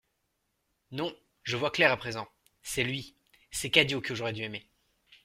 Non ! je vois clair à présent ! c'est lui, c'est Cadio que j'aurais dû aimer.